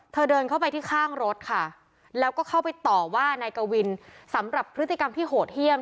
เดินเข้าไปที่ข้างรถค่ะแล้วก็เข้าไปต่อว่านายกวินสำหรับพฤติกรรมที่โหดเยี่ยม